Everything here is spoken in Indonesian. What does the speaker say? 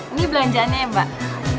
ini belanjaannya ya mak